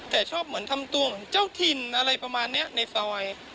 แต่ชอบเหมือนทำตัวเหมือนเจ้าถิ่นอะไรประมาณนี้ในซอย